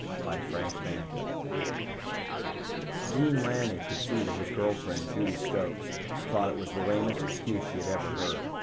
_ By FRANK BANTA Jean Lanni could see that his girl friend, Judy Stokes, thought it was the lamest excuse she had ever heard.